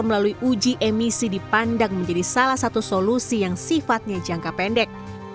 melalui uji emisi dipandang menjadi salah satu solusi yang sifatnya jangka pendek